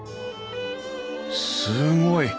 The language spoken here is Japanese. すごい！